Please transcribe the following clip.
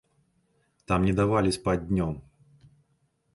Там не давалі спаць днём.